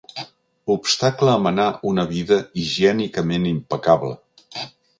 Obstacle a menar una vida higiènicament impecable.